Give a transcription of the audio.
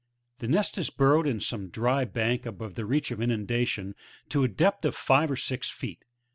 The nest is burrowed in some dry bank above the reach of inundation,' to a depth of five or six feet.